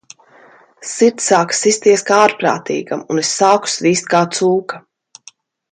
Sirds sāka sisties kā ārprātīgam, un es sāku svīst kā cūka.